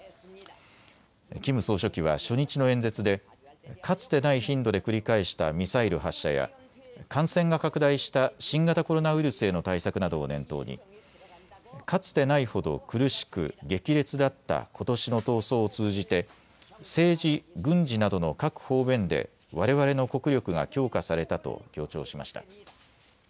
キム総書記は初日の演説でかつてない頻度で繰り返したミサイル発射や感染が拡大した新型コロナウイルスへの対策などを念頭にかつてないほど苦しく激烈だったことしの闘争を通じて政治、軍事などの各方面でわれわれの国力が強化されたと強調しました。